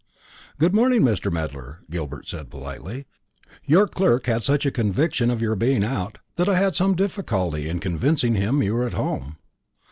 "Good morning, Mr. Medler," Gilbert said politely; "your clerk had such a conviction of your being out, that I had some difficulty in convincing him you were at home."